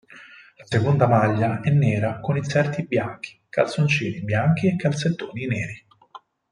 La seconda maglia è nera con inserti bianchi, calzoncini bianchi e calzettoni neri.